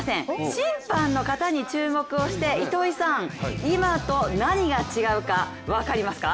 審判の方に注目をして糸井さん、今と何が違うか分かりますか？